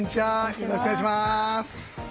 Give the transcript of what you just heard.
よろしくお願いします。